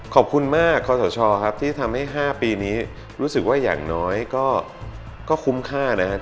ขอบคุณมากคอสชครับที่ทำให้๕ปีนี้รู้สึกว่าอย่างน้อยก็คุ้มค่านะครับ